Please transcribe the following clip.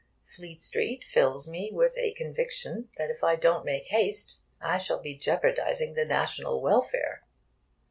Fleet Street fills me with a conviction that if I don't make haste I shall be jeopardising the national welfare.